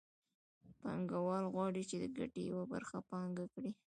پانګوال غواړي چې د ګټې یوه برخه پانګه کړي